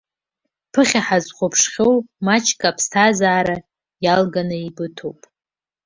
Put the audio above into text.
Ԥыхьа ҳазхәаԥшхьоу маҷк аԥсҭазаара иалганы еибыҭоуп.